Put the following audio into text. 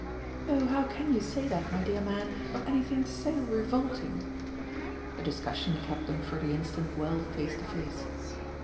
"Oh how can you say that, my dear man, of anything so revolting?" The discussion kept them for the instant well face to face.